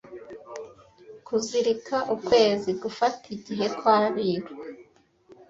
Kuzirika ukwezi Gufata igihe kw’Abiru